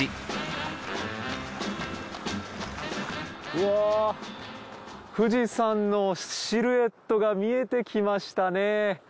うわ富士山のシルエットが見えてきましたね。